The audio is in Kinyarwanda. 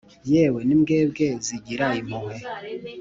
Yewe, n’imbwebwe zigira impuhwe,